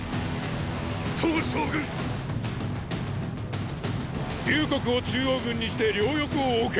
騰将軍⁉隆国を中央軍にして両翼を置け！